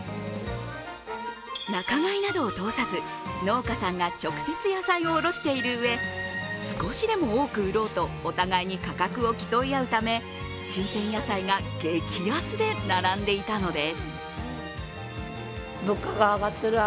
仲買などを通さず、農家さんが直接野菜を卸しているうえ、少しでも多く売ろうとお互いに価格を競い合うため新鮮野菜が激安で並んでいたのです。